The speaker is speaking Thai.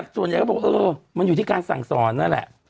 ส่วนใหญ่มันอยู่ที่การสั่งสอนนั่นแหละ